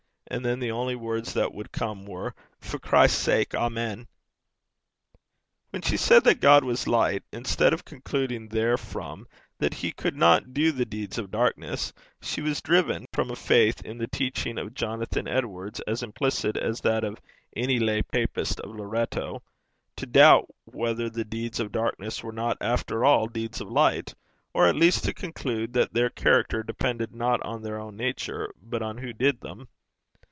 And then the only words that would come were: 'For Christ's sake. Amen.' When she said that God was light, instead of concluding therefrom that he could not do the deeds of darkness, she was driven, from a faith in the teaching of Jonathan Edwards as implicit as that of 'any lay papist of Loretto,' to doubt whether the deeds of darkness were not after all deeds of light, or at least to conclude that their character depended not on their own nature, but on who did them.